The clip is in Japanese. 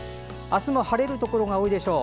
晴れるところが多いでしょう。